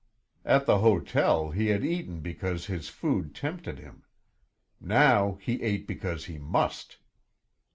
At the hotel he had eaten because his food tempted him; now he ate because he must.